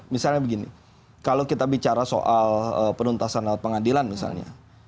misalnya begini kalau kita bicara soal penuntasan pengadilan misalnya